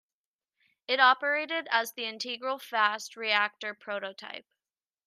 It operated as the Integral Fast Reactor prototype.